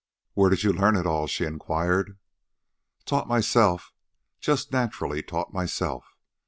"Where did you learn it all?" she inquired. "Taught myself, just naturally taught myself.